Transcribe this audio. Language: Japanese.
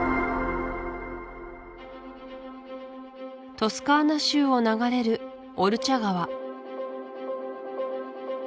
トスカーナ州を流れるオルチャ川